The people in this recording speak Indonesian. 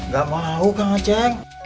gak mau kang ceng